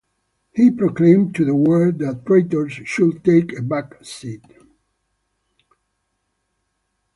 He proclaimed to the world that traitors should take a back seat.